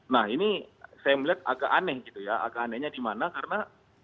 nah ini saya melihat agak aneh gitu ya agak anehnya di mana karena